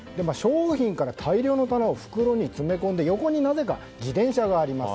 棚から大量の商品を袋に詰め込んで横に、なぜか自転車があります。